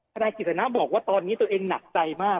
นายกิจสนะบอกว่าตอนนี้ตัวเองหนักใจมาก